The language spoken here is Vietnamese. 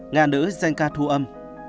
nga nữ danh ca thu âm